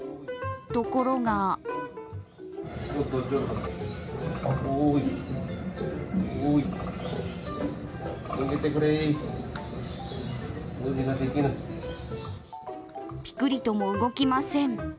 ところがぴくりとも動きません。